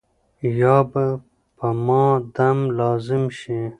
یا به په ما دم لازم شي.